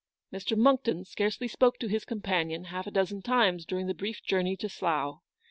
Mr. Monckton scarcely spoke to his com panion half a dozen times during the brief journey to Slough.